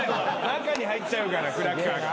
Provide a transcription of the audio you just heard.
中に入っちゃうからクラッカーが。